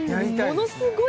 ものすごい